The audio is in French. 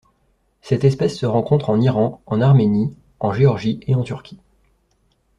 Cette espèce se rencontre en Iran, en Arménie, en Géorgie et en Turquie.